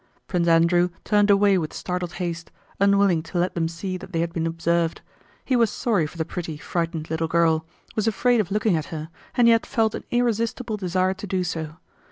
Prince Andrew turned away with startled haste, unwilling to let them see that they had been observed. He was sorry for the pretty frightened little girl, was afraid of looking at her, and yet felt an irresistible desire to do so.